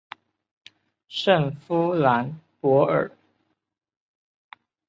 圣夫兰博尔。